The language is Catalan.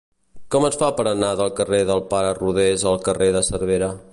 Com es fa per anar del carrer del Pare Rodés al carrer de Cervera?